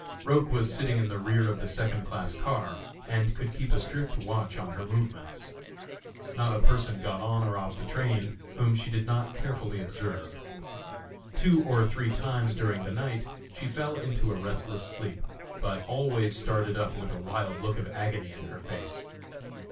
Roch was sitting in the rear of the second class car and could keep a strict watch on her movements. Not a person got on or off the train whom she did not carefully observe. Two or three times during the night she fell into a restless sleep, but always started up with a wild look of agony in her face.